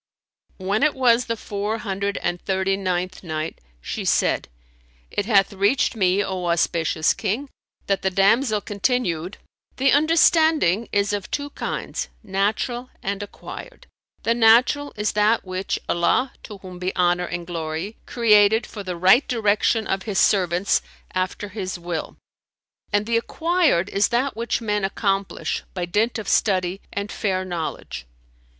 When it was the Four Hundred and Thirty ninth Night, She said, It hath reached me, O auspicious King, that the damsel continued, "The understanding is of two kinds, natural and acquired. The natural is that which Allah (to whom be honour and glory!) created for the right direction of His servants after His will; and the acquired is that which men accomplish by dint of study and fair knowledge."